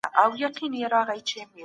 تاسو د مال په ورکولو کي سخاوت وکړئ.